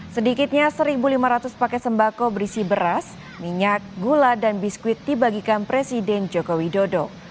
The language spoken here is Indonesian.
sedikitnya satu lima ratus paket sembako berisi beras minyak gula dan biskuit dibagikan presiden joko widodo